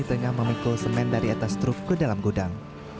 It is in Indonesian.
tengah memikul semen dari atas truk ke dalam gudang